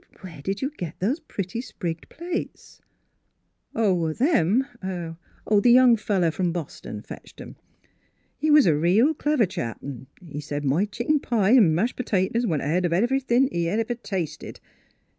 Where did you get those pretty sprigged plates ?" "Oh, them? The young feller from Boston fetched 'em. He was a reel clever chap, an' he said my chicken pie 'n' mashed p'tatoes went ahead of anything he ever tasted.